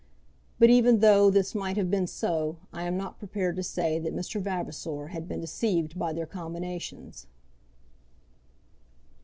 But even though this might have been so I am not prepared to say that Mr. Vavasor had been deceived by their combinations.